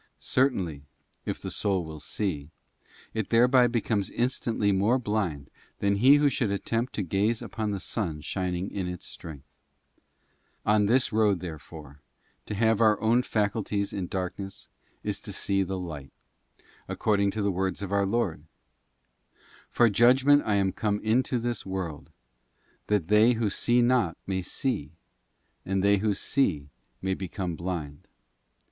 Certainly, if the soul will see, it thereby becomes instantly more blind than he who should attempt to gaze upon the sun shining in its strength. On this road, therefore, to have our own faculties in darkness is to see the light, ac cording to the words of our Lord: 'For judgment I am ~j ~j. come into this world, that they who see not may see, and LIFE OF GOD IN THE SOUL. 65 : a : they who see may become blind.